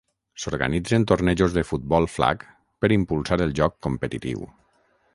S'organitzen tornejos de futbol flag per impulsar el joc competitiu.